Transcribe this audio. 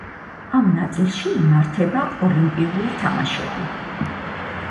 ამ ნაწილში იმართება ოლიმპიური თამაშები.